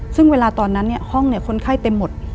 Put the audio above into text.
ซึ่งเวลาตอนนั้นห้องคนไข้เต็มหมด